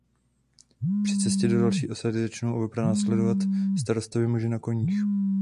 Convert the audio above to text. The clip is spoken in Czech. Při cestě do další osady začnou oba pronásledovat starostovi muži na koních.